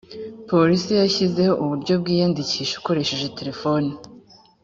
police yashyizeho uburyo bwiyandikisha ukoresheje telefone